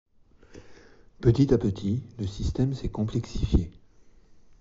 Petit à petit le système s'est complexifié.